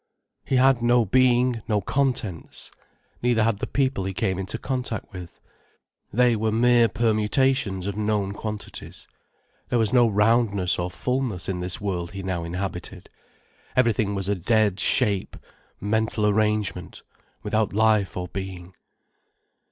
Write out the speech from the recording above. He had no being, no contents. Neither had the people he came into contact with. They were mere permutations of known quantities. There was no roundness or fullness in this world he now inhabited, everything was a dead shape mental arrangement, without life or being.